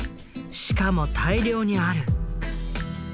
しかも大量にある！」。